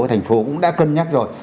thành phố cũng đã cân nhắc rồi